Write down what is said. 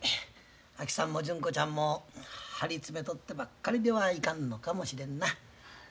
あきさんも純子ちゃんも張り詰めとってばっかりではいかんのかもしれんな。